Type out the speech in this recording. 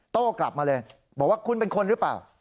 โต้กลับมาเลยบอกว่าคุณเป็นคนหรือเปล่า